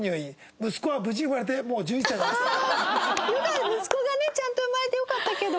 ああ息子がねちゃんと産まれてよかったけど。